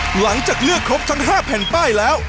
หลังจากเลือกครบทั้ง๕แผ่นป้ายแล้ว